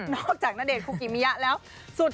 จากณเดชนคุกิมิยะแล้วสุด